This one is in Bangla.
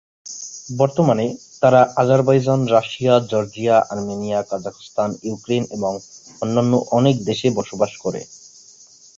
বর্তমানে, তারা Azerbaijan, Russia, Georgia, Armenia, Kazakhstan, Ukraine এবং অন্যান্য অনেক দেশে বসবাস করে।